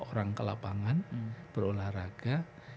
orang ke lapangan berolahraga